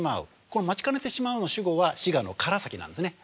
この「待ちかねてしまう」の主語は「志賀の唐崎」なんですね。